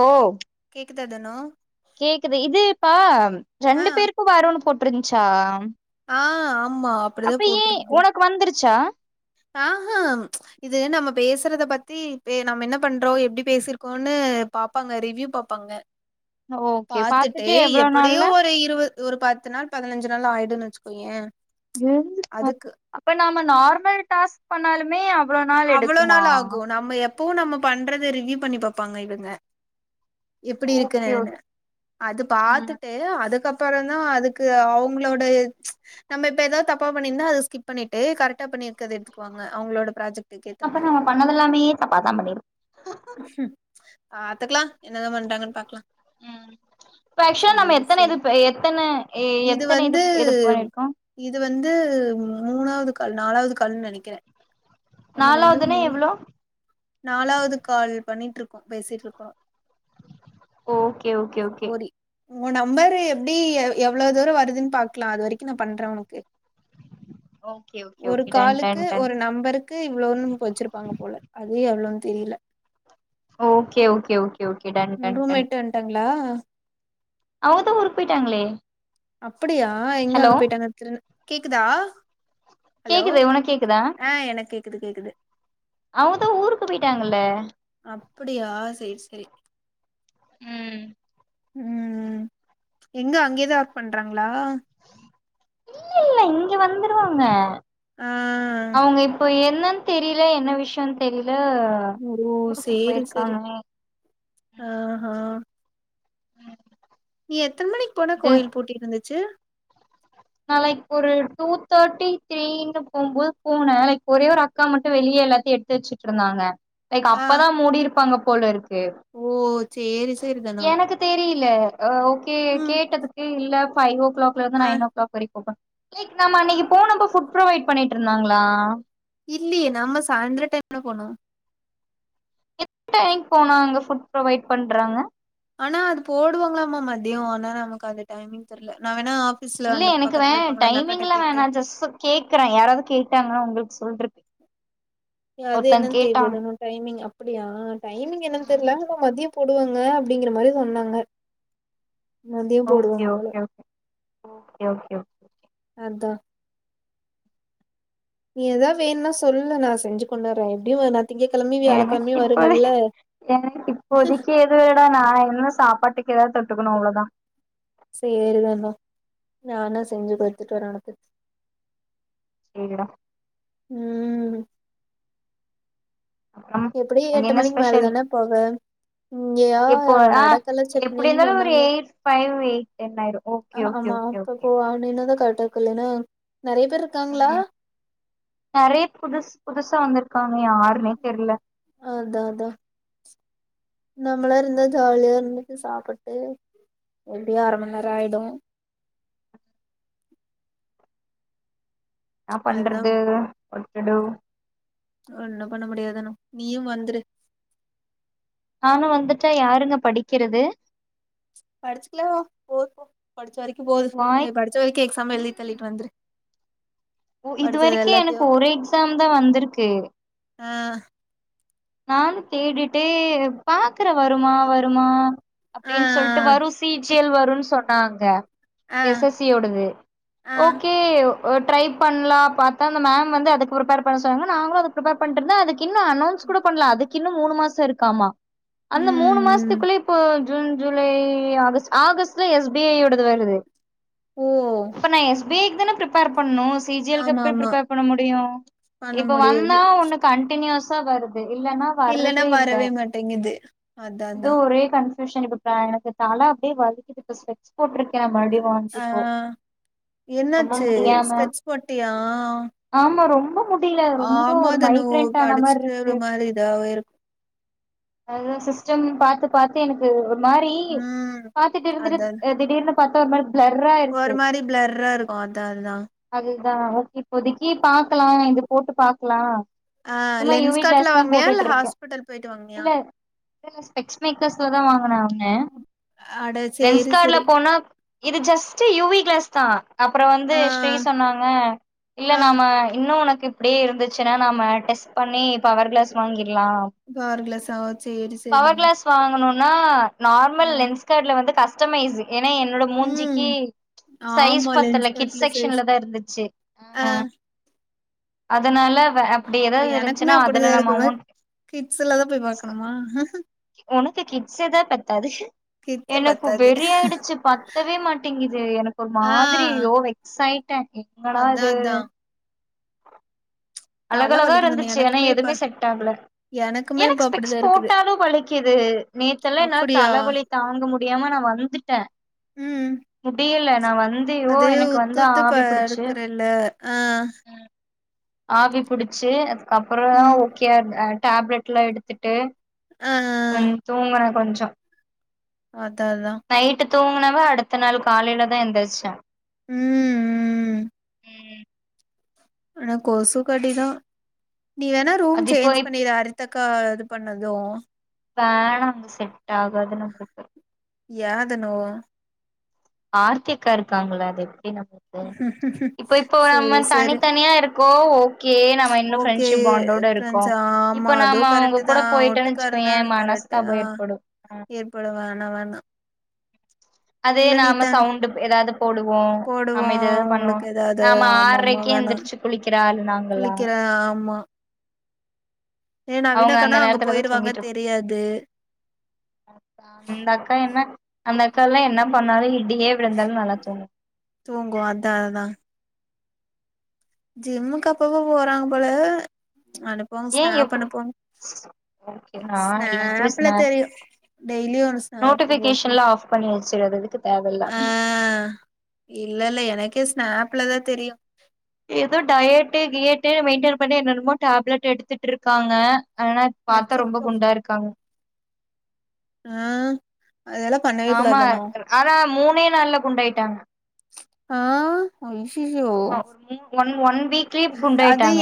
ஓ தடனு கேக்குது இது இப்பா ஆ ரெண்டு பேருக்கு வருன்னு போட் ருந்ச்சா ஆ ஆமா அப்டிதா அப்ப ஏ ஒனக்கு வந்துரு ச்சா ஆஹ இது நம்ம பேசறத பத்தி பே நம்ம என்ன பண்றோ எப்டி பேசிருக்கோன்னு பாப்பாங்க ரிவ்யூ பாப்பாங்க ஓகே பாத்துட்டு எவ்ள எப்படியோ நாள்ல ஒரு இருவது ஒரு பத்து நாள் பதினஞ்சு நாள் ஆயிடுன் வச்சுக்கோய ம் அப்ப நான் நார்மல் டாஸ்க் பண்ணாலுமே அவ அவ்ளோ நாள் ஆகும் நம்ம எப எப்பவும் நம்ம பண்றத ரிவ்யூ பண்ணி பார்ப்பாங்க இவங்க எப்படி ஓகே இருக்குன்னு ஓகே அது ம் பார்த்துட்டு அதுக்கப்புறம் அப்புறம் தான் அதுக்கு அவங்களோட நம்ம இப்ப ஏதாவது தப்பா பண்ணியிருந்தா அது ஸ்கிப் பண்ணிட்டு கரெக்டா பண்ணிருக்கறத எடுத்துக்குவாங்க அவங்களோட ப்ராஜெக்டுக்கு ஏத்த அப்ப நாம மாரி பண்ணதெல்லாமே தப்பாதான் பண்ணிரு ஆஹ் அதுக்கெலாம் உம் இப்ப ஆக்சுவலா நம்ம சேரி எத்தனை இது சேரி எத்தனை எத்தனை இது இது பண்ணியிபண்ணிருக்கோம் இது வந்து மூணாவது கால் நாலாவது கால்னு நினைக்கிறேன் நாலாவதுனா எவ்ளோ நாலாவது கால் பண்ணிட்டு இருக்கோம் பேசிட்டு இருக்கோம் ஓகே ஓகே ஓகே உங்க நம்பர் எப்படி எவ்வளவு தூரம் வருதுன்னு பாக்கலாம் அது வரைக்கும் நான் பண்றேன் உனக்கு ஓகே ஓகே ஒரு ஓகே டன் டன் காலுக்கு டன் ஒரு நம்பருக்கு இவ்வளவுன்னு வச்சிருப்பாங்க போல அது எவ்வளவுன்ட் தெரியிலே ஓகே ஓகே ஓகே ஓகே டன் டன் டன் ஆ அவுங்க தான் ஊருக்கு போயிட்டாங்களே அப்படியா எங்கே ஹலோ அங்கே போயிட்டாங்க தெரி கேக்குதா ஹலோ கேக்குது உனக்கு கேக்குதா ஆஹ் எனக்கு கேக்குது கேக்குது அவங்கதா ஊருக்கு போயிட்டாங்கல்ல அப்படியா சரி சரி உம் உம் எங்க அங்கேதான் ஒர்க் பண்றாங்களா இல்லே இல்லே இங்க வந்துருவாங்க ஆ அவங்க இப்போ என் என்னானு தெரியல என்ன விஷயம் தெரியலே ஊருக்கு போயிருக்காமே ஆஹ்ஹ் நீ எத்தனை மணிக்கு போனே கோயில் பூட்டி இருந்துச்சு நான் லைக் ஒரு டூ தேர்ட்டி த்ரீனு போகும்போது போனேன் லைக் ஒரே ஒரு அக்கா மட்டும் வெளியே எல்லாத்தையும் எடுத்து வச்சுட்டு இருந்தாங்க லைக் ஆ அப்பதான் மூடி இருப்பாங்க போல இருக்கு ஓ சேரி சேரி தனோ இல்ல கே ம் கேட்டதுக்கு இல்ல ஃபைவ் ளல இருந்து ஆ நைன் க் நாம அன்னைக்கு போனப்ப புட் ப்ரொவைட் பண்ணிட்டு இருந்தாங்களா இல்லியே நம்ம சாயந்தர டைம்ல போனம் எத்தன மணிக்கு போனா அங்க ஃபுட் ப்ரொவைட் பண்றாங்க ஆனா அது போடுவாங்களாமா மதியம் ஆனா நமக்கு அந்த டைமிங் தெரில நா வேணா ஆஃபீஸ்ல இல்ல அந்த எனக்கு பக்கத்துல வேன் இருப்பாங்கள அந்த அக்காட்ட டைமிங் எல்லா கேட்டு வேணான் ஜஸ்ட் கேக்குறே யாராவது கேட்டாங்கன்னு அங்களுக்கு சொல்றக்கு அது என்னனு தெரியறது நம்ம டைமிங் அப்ப அப்டியா டைமிங் என்னன்னு தெரில மதியம் போடுவாங்க அப்டிங்கிற மாரி சொன்னாங்க முந்தும் ஓகே போடுவாங்க போல okay okay okay okay okay. அதா நீ எதாவ் வேணுன்னா சொல்லு நா செஞ்சு கொண்டு வர எப்டி நா திங்கக்கெழமயு எனக்கு வியாழக்கெழமயு இப்பது வருவல்ல எனக்கு இப்போதுக்கு ஏது வேடா நா சாப்பாட்டுக்கு ஏதா தொ க்கணு அவ்ளோதா சேர் தனோ நா வேண்ணா செஞ்சு கொடுத்துட்டு வரே உனக்கு இருடா உஹம் அப்புறம் எப்டி அங்க எட்டு என்ன மணிக்கு ஸ்பெஷல் மேலதான போல இங்கயா எப்போ ஆ நடக்கல எப்டி சட்னனு இருந்தாலு ஒரு சொன்னாங்க எயிட் ஃபைவ் எயிட் டென் ஆயிரு ஓகே ஓகே ஆமா ஓகே அப்ப ஓகே கோ அவனு என்னதான் க கட்ட கல ந உம் நெறையா புதுசு புதுசா வந்திருக்கு இருக்கங்க யாருன்னே தெர்ல அதா அதா நம்மளா இருந்த ஜாலியா இருந்துட்டு சாப்பிட்டு எப்டியோ அர மணி நேரம் ஆயிடும் என்ன அதுதா பண்றது வாட்டுடூ ஒன்னு பண்ண முடியாது தனோ நீயு வந்துரு நானும் வந்துட்டா யாருங்க படிக்கிறது படிச்சுக்கல போ படிச்ச வரைக்கு இரு போது வாய்ப் பச்சோ வக்க எக்ஸாம் ம் எழுதித்தல்லிட்டு வந்திரி ஓ இது வரைக்கு எனக்கு ஒரு எக்ஸாம் தா வந்திருக்கு ஆஹ நானு கேட்டுட்டே பாக்குற வருமா வருமா ஆ அப்டின் சொல்ட்டு வரு சி சியல் வருனு சொன்னாங்க ஆ எஸ் எஸ் சி யோடது ஆ ஓகே ஒ ட்ரை பண்ணலா பாத்தா அந்த மேம் வந்து அதுக்கு ப்ரிப்பேர் பண்ண சொன்னாங்க நாங்களு அதுக் ப்ரிப்பேர் பண்ட்ருந்தெ அதுக்கின்னு அனௌன்ஸ் கூட பண்ல அதுக்கு இன்னு மூணு மாசொ இருக்காமா அந்த மூணு ம் மாசத்துக்குள்ள இப்போ ஜூன் ஜூலை ஆகஸ்ட் ஆகஸ்ட்ல எஸ் பி ஐ யோடது வருது ஓ பன எஸ் பி ஐ குதானே ப்ரிப்பேர் பண்ணணு சி ஜி எல் கு ஆமா எப்டி ஆமா பிரிப்பேர் பண்ண முடியு பண்ண இப்ப முடியாது வந்தா ஒன்னு கண்டனியூஸ் ஆ வருத் இல்லன்னா இல்லன்னா வர்றதே இல்ல வரவே மாட்டேங்குது அதா இவு அதா ஒரே கன் டு சனிக்குடுத்தா எனக்கு தலா அப்டியே வலிக்குது இப்ப ஸ்பெக்ஸ் போட்ருக் ஆஹ் ரொம்ப என்னாச்சு முடியாம ஸ்பெக்ஸ் போட்டயா ஆமா ரொம்ப முடில ரொம்ப ஒரு மைக்ரெண்ட் ஆன படிச்சுட்டு மார்ருக் ஒரு மாரி இதாவே இருக்கு சம் பாத்து பாத்து எனக்கு ஒர் மாறி ம் பாத்துட்டு இருந்துடு அதா திடீர்னு பாத்த ஒருமாரி ஒரு மாரி ப்ளர்ரா இருக்கு அதா அதுதா தா ஓகே இப்போதிக்கி பாக்கலா இது போட்டு பாக்லா ஆஹ் லென்ஸ் கா ளாஸ் தா போட்டுட்ருக்கே இல்ல இல்லல்ல ஸ்பெக்ஸ் மேக்கர் ஸ்ல தா வாங்குனேம் அ அட சேரி ரென்ஸ்காட்ல சேரி போனா இது ஜஸ்ட்டு யுவி கிளாஸ் தா அப்றொ வந்து ஆ ஸ்ரீ சொன்னாங்க இல்ல ஆ நாம இன்னு உனக் இப்டியே இருந்துச்சுனா நாம டெஸ்ட் பண்ணி பவர் க்ளேஸ் வாங்கி கவர் க்ளேஸா சேரி சேர் தனு நா நார்மல் ஆ லென்ஸ்காட்ல வந்து கஷ் டமைசு ஏன்னா என்னோட ம். மூஞ்சிக்கு சைஸ் ஆமா லென்ஸ் பத்தல கிட் கட்ல சைஸ். செக்ஷன்ல தா இருந்துச்சு ஆ அதனால வ அப்படி ஏதாவது இருந்துச்சு அப்படிதா இருக்குவே கிட்ஸ் எல்ல தா போய் பாக்கணுமா உனக்கு கிட்ஸேதா பத்தாது கிட்ஸே எனக்கு பத்தாது. வெறி ஆயிடுச்சு பத்தவே மாட்டேங்குது எனக்கு ஒரு ஆ மாதிரி யோ வெக்ஸ்யாயிட்ட என்னடா அதான் இது அதான். தல அழகழகா வலிக்குதுண்ணே இருந்துச்சு ஏன்னா எனக்குமே இப்ப எதுவுமே செட் ஆகல எனக்குமே இப்ப எனக்கு ஸ்பெட்ஸ் அப்படிதான் இருக்குது. போட்டாலு வலிக்குது நேத்தல்லா என்னால அப்படியா? தலைவலி தாங்க முடியாம நா வந்துட்டே ம். முடியல நா வந்து யோ அது எனக்கு உத்து வந்து உத்து ஆவி புடிச்சு பாடுக்கறல்ல ஆ ஆவி புடிச்சு அப்புறோ ம். ஓக்கே டேப்லெட் எல்லா எடுத்துட்டு ஆ கொஞ்சு தூங்குன கொஞ்சு ட அததா தூங்கினவா அடுத்த நாள் காலையில தா எந்திருச்சா உம் உம் ஆன கொசு கடிதா நீ வேணா ரூம் அது இப்போ சேஞ்ச் பண்ணிரு அரித க்க இது பண்ணது வேனாங்க செட் ஆகாது நம்மளுக்கு யாதுனு ஆர்த்கிக்கா இருக்காங்களா அ இப்ப இப்போ சேரி நம்ம சேரி. தனித்தனியா இருக்கோ ஓக்கே நம்ம இன்னு ஓகே ஃப்ரெண்ட்ஷிப் பாண்டோட இருக்கோ ஃப்ரெண்ட்ஸ் ஆமா இப்ப அதுவு நாம உங்க கரெக்ட் தா கூட போயிட்டேன்னு வச்சுக்கோ ஒட்டுக்காருந்தா ஏ கரெக்ட் ஆ மனஸ்தாபம் ஏற்படு ஏற்பட வேணா வேண்டா அதே நாம சவுண்டு ஏதாவது போடுவோ போடுவோ நாம எதுதாவது பண்ணுவோ உங்களுக்கு ஏதாவது நாம ஆமா ஆமா ஆறரைக்கே வேணா எந்திரிச்சு குளிக்கிறாஆளு நாங்கெள்ல்லா குளிக்கிற ஆமா ஏ அவங்க அந்த நவீனாக்கனா அங்க நேரத்துலதா போயிருவாங்க தூங்கிட்டு இருக்க தெரியாது அந்த அக்கா என்ன அந்த அக்க எல்லா என்ன பண்ணாலு இடியியே விழுந்தாலு நல்ல தூங் தூங்கு அதா அதா ஜிம்முக்கு அப்பு போறாங்க போல அனுப்போங்க ஏ ஸ்நாப் எப்டி அனுப்போங்க ஓகே நா எல்லாத்துலயு ஸ்நாப்ல ஸ்நா தெரியு டெய்லியு ஒ ஸ்னாப் போட்டுவ செரி அது [unintelligible] ஆ இல்ல இல்ல எனக்கே செனப் செனாப்புலதா தெரியு ஏதோ டயட்டு கியட்டு மெயின்டென் பண்ணி என்னுமோ டேப்லெட் எடுத்துட்டு இருக்காங்க ஆனா பார்த்தா ரொம்ப அச்சச்சோ குண்டா இருக்காங்க ஆ அதெல்லா பண்ணவே ஆமா கூடாது அனு ஆனா மூனே நாள்ல குண்டாயிட்டாங்க ஆ ஐய்யய்யோ ஆமா ஒன் ஒன் வீக்லி குண்டாயிட்டாங்க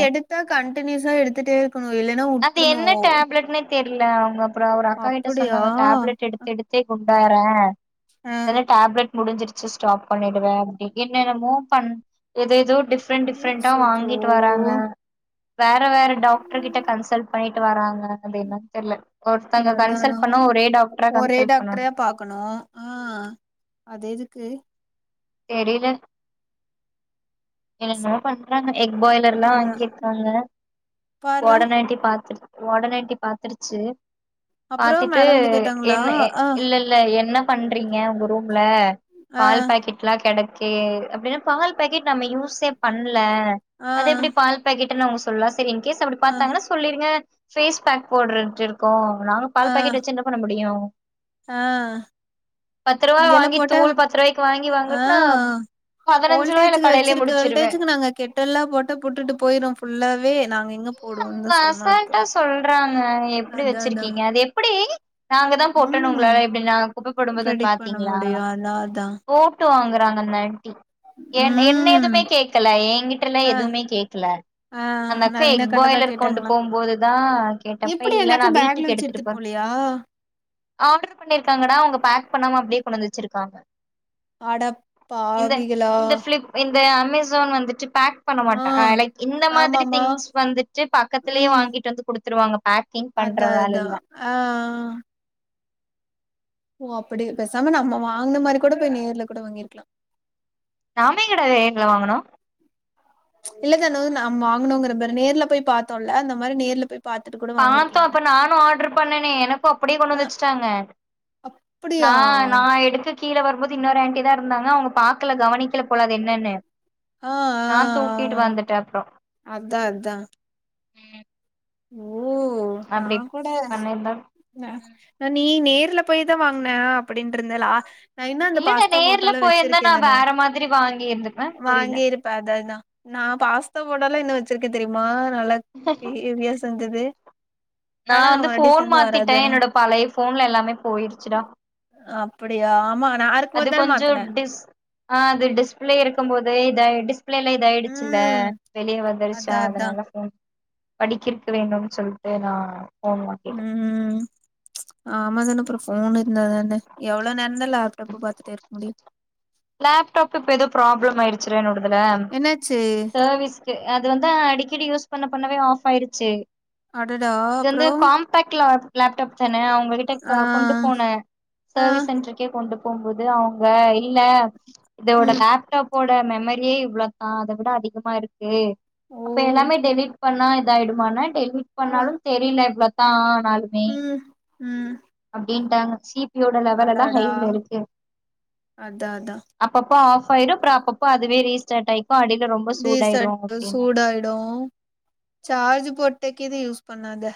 வந்துட்டு ருக்கனு இல்லேன்னா அது உட்றணு என்ன டேப்லெட்னே தெர்ல அவுங்க அப் அப்றோ ஒரு அக்கா கிட்ட சொன்னாங்க டேப்லட் எடுத் தெடுத்தே குண் வேற ஆ வெறு டேப்லெட் முடிஞ்சிருச்சு ஸ்டாப் பண்ணிடுவே அப்டி என்னென்னமோ பண் எதேதோ டிப் டிஃப்ரெண்ட் டிஃப்ரெண்டா அச்சச்சோ வாங்கிட்டு வராங்க ஃபா ல்லன வேற டாக்டரு கிட்ட பொயிட்டு வராங்க அந்த பெய்னா தெர்ல ஒருத்தங்க அதா அதா கன்சல் பண்ணா ஒரே டாக்டரா ஒரே கன்சல் பண்ணனு டாக்டரையா பாக்கணு து தெரியல என்ன பண்ண அதாந்த எக் பாய்லார்லா அதா வாங்கிருக்காங்க பார்றா ஒடனே எட்டி பாத்து ஒடனே எட்டி பாத்துருச்சு அப்புறோ பாத்துட்டு மேல வந்து கேட்டாங்களா என்ன என் ஆ இல் இல்ல என்ன பண்றீங்க உங்க ரூம்ல ஆ பால் பாக் [inaudible] கெடக்கே அப்டினா பால் பாக்கெட் நம்ம யூஸே பண்ல ல ஆ அத எபடி பால் பா [inaudible] என்ன அவுங்க சொல்ல செரி இன் கேஸ் அப்டி ஆ பாத்தாங்னா சொல்லிருங்க பேஃஸ் பேக் போட்ரர்ட்டு இருக்கோ நாங்க ஆ பால் பாக்கெட் வெச்சு என்ன பண்ண முடியு ஆ பத்து ருவாய இங்கெல்லா வாங்கி போட்டா தூள் பத்து ருவாய்க்கு வாங்கி வாங்க ஆ வோல்டேஜுக்கு கடையிலயே வெச்சிருக்க முடிச்சிருவே வோல்டேஜீக்கு நாங்க கெட்டெல்லாபோட்ட புட்டுட்டு போயிரு புல்லாவே கேனா அவுங்க அசால்ட்டா சொல்றாங்க எப்டி அதா அதா வெச்சிருக்கீங்க அத எப்டி நாங்க தா போட்டணு உங்களால ம் எப்டி நாங்க குப்ப போடும்போது வந்து ப்ரெடிக்ட் பண்ண பாத்திங்ளா முடியு அதா அதா போட்டு வாங்க ராங்க [unintelligible] என் என்ன ம் எதுமே கேக்கல எங்கிட்டலா ஆ எதுமே கேக்கல ஆ அந்த எக் நவீனா கரெக்டாதா பாய்லர் கொண்டு கேட்டாங்களா போகும்போதுதா கேட்டப்ப எப்டி இல்ல நா அந்தாக்கு பேக்ல வீட்டுக்கு வச்சு எடுத்துட்டு போ போலியா ஆர்டர் பண்ணிருக்காங்கடா அவுங்க பேக் பண்ணாம அப்டியே கொண்வந்து வச்சிருக்காங்க அடப்பாவிகளா எ அமேசான் வந்துட்டு பேக் பண்ண மாட்ட அ லைக் இந்த மாதிரி ஆமாமா திங்ஸ் வந்துர்ச்சு பக்கத்துலயே ம் வாங்கிட்டு வந்து குடுத் த்ருவாங்க அதா அதா ஆ ஓ அப்புடி பேசாம நம்ம வாங்ன மாரி கோட போய் நேர்ல கூட வாங்கிருக்லா நாம எங்கடா நேர்ல வாங்குனோ இல்ல தன நாம் வாங்னோங்ற பாரு நேர்ல போய் பாத்தோல அந்த மாரி நேர்ல போய் பாத்துட்டு கூட பாத்தோ வாங்கிருக்கலாங்க அப்ப நானு ஆர்டர் பண்ணனே எனக்கு அப்டியே கொண்டு ஆ வந்து வச்சுட்டாங்க அப்டியா நா நா எடுத்து கீழ வரும்போது இன்னொரு ஆன்ட்டிதா இருந்தாங்க அவுங்க பாக்ல கவனிக்கல போல அது என்னனு ஆ ஆ நா தூக்கிட்டு ஆ வந்துட்ட அப்றோ ம் ஓ நா அப்டி கூட பண்ணிருந்தா நான் நீ நேர்ல போய் தா வாங்ன அப்டின்ட்ருந்த லா நா இன்னு அந்த இல்லடா பாஸ்தா நேர்ல ஃபோட்டோலா போயிருந்தா வச்சிருக்கே நா தன வேற மாதிரி வாங்கிருந்துப்பே புரில வாங்கிருப்ப அதாதா நா பாஸ்தா ஃபோட்டோலா இன்ன வெச் ச்சுருக்கே தெரியுமா நல்லக் [unintelligible] வந்தது நா வந்து போன் மாத்துட்டே என்னோட பழைய போன்ல எல்லாமே போயிருச்சுடா அப்புடியா ஆமா நா இருக்கும் அது போது தான கொஞ்சோ மாத்துன டிஸ் ஆ அது டிஸ்பிளே இருக்கும்போது இதாயி டிஸ் பிளேல இது ஆயிடுச்சுல்ல ம் வெளிய வந்துருச்சா அதா அதா அதனால போன் படிக்கிருக்க வேணுன்னு சொல்லிட்டு நா ஃபோன் வாங்கிட்டே உம் உம் ஆமா தனோ அப்பறோ போன் இருந்தா தான எவ்ளோ நேரோ லேப்டாப் இப்ப எதோ ப்ராப்ள ப்ளோ ஆயிடுச்சுட என்னோடது அதுல என்னாச்சு செர்விஸ்க்கு அது வந்து அடிக்கடி யூஸ் பண்ண பண்ணவே ஆஃப் ஆயிடுச்சு அடடா இது வந்து அப்றோ ஃகாம்பாக்ட்ல வந் லேப்டாப் தான அவ் உங்ககிட்ட கா ஆ கொண்டு போன ஆ சர்வீஸ் சென்ட்ரு கொண்டு போம்போது அவுங்க இல்ல இதோட ம் லேப்டாப் போட மெமரியே இவ்ளோதா அத விட அதிகமா இருக் கு ஓ அப்ப எல்லாமே டெலிட் பண்ணா இத ஆயிடுமானன் டெலிட் ஆ பண்ணாலு தெரில எவ்ள தான் நாலுமே உம் அப்டின்ட்டாங்க சீப் பியோட லெவல் எல்லா அடாடா ஹைல இருக்கு அதா அதா அப்பப்ப ஆஃப் பாய்டு ப்ரா அப்பப்ப அதுவே ரீஸ்டாட் ஆய் ரீஸ்டாட் சூடாய்டு சார்ஜு போட்டேக்கிது யூஸ் பண்ணாத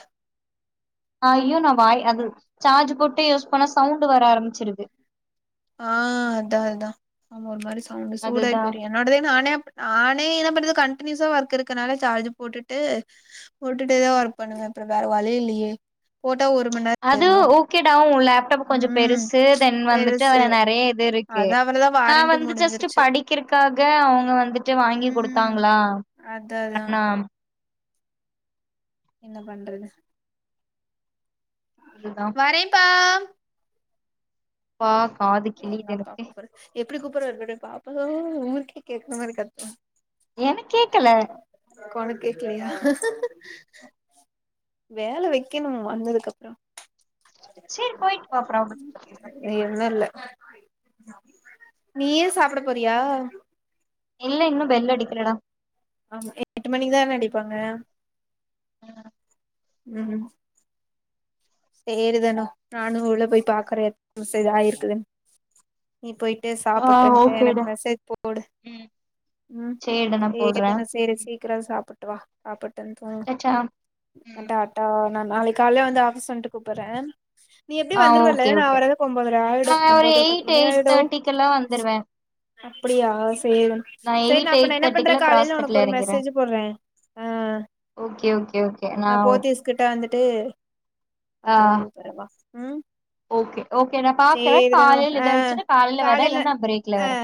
ஐயோ நான் வாய் அது சார்ஜு போட்டே யூஸ் பணா சவுண்டு வர ஆரமிச்சிருது ஆஹ் அதா அதா ஆமா ஒரு மாரி சவுண்டு அதுதா சூடாய்பேரு என்னோடதே நானே நானே என்ன பண்றது கண்டினியூஸா ஒர்க் இருக்கனால சார்ஜ் போட்டுட்டு போட்டுட்டேதா ஒர்க் பண்ணுவே அப்புற வேற வழி இல்லையே போட் அது ஓகேடா உன் லேப்டாப்பு கொஞ்சோ ம் பெருசு தென் வந்துட்டு பெருசு அ நறே இது இருக்கு அதா அவ்ளதா நா வாரண்டி வந்து ஜஸ்ட்டு முடிஞ்சிருச்சு படிக்கிறுகாக அவுங்க வந்துட்டு வாங்கி ம் குடுத்தாங்குளா அதா ஒரு அதா அண்ணா என்ன பண்றது அதுதா வரேன்ப்பா பாக் காது கிழிது எனக்கு புடி கூப்புறாரு பரேங்கா அப்புதா ஊருக்கே கேக்குற மாரி கத்து எனக் கேக்கல கேக்லையா வேல வைக்கணு வந்ததுக்கப்றோ சேரி போய்ட்டு வா அப்றம் இன்னு இல்ல நீயே சாப்புட போறியா இல்ல இன்னு பெல் அடிக்கிலடா ஆமா எட்டு மணிக்குதான் அடிப்பாங்க ஆஹ் உம் சேரிதனோ நானு உள்ள போய் பாக்குறேன் எத் நிம்ஷோ இதாயிருக்குதுன் நீ பொய்ட்டு ஆ சாப்பிட்டுன்ட்டு எனக்கு ஓகேடா மெசேஜ் போடு ம் ம் சேரிடா நா போட்ற சதுனா சரி சீக்கிரம் சாப்புடு [unintelligible] சச்சா [unintelligible] டாட்டா நா நாளைக் கால்லே வந்து ஆஃபிஸ் வந்ட்டு கூப்புற்ற ஆ ஓகே ஓகே ஆயிடு நா ஒரு ஒம்போதர பத்து எயிட் எயிட் தேட்டிக்கெல்லா வந்துருவ அப்புடியா சேரி சேர் நா எயிட் அப்ப நா எயிட் என்ன பண்ற தேர்ட்டிக்கெல்லா கிராஸ் காலைல உனக்கு கட்ல ஒரு எறங்கிற மெசேஜ் போட்ற அ ஓகே ஓகே ஓகே நா ஓகே போத்திஸ் கிட்டா வந்துட்டு ஆ அப்டே கூப்புற்றவா ம் ஓகே ஓகே நா பாக்குற சேரிதான காலைல ஆ எதாிச்சுட்டு காலைல வர இல்ல நா ஆ ப்ரேக்குல வரே